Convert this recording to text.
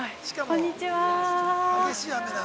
こんにちは。